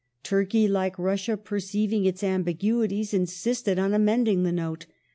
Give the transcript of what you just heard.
Turkey like Russia, perceiv ing its ambiguities, insisted on amending the Note.